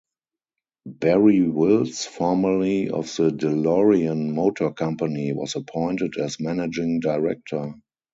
Barrie Wills, formerly of the DeLorean Motor Company, was appointed as managing director.